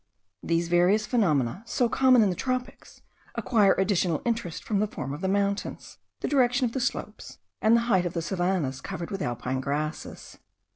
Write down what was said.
These various phenomena, so common in the tropics, acquire additional interest from the form of the mountains, the direction of the slopes, and the height of the savannahs covered with alpine grasses.